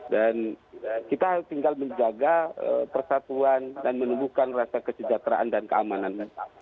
kita tinggal menjaga persatuan dan menumbuhkan rasa kesejahteraan dan keamanan